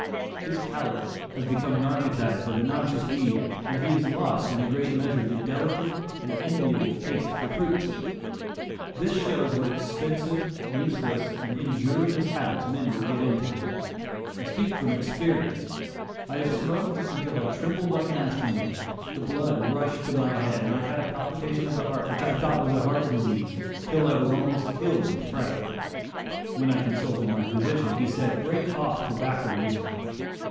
His palate has become narcotized by the noxious weed, and he has lost, in a great measure, the delicate and enviable taste for fruits. This shows what expensive, useless and injurious habits men will get into. I speak from experience. I have smoked until I trembled like an aspen leaf, the blood rushed to my head, and I had a palpitation of the heart which I thought was heart disease, till I was almost killed with fright. When I consulted my physician, he said "break off tobacco using."